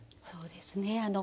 そうですね。